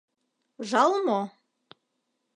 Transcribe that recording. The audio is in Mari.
Жал мо?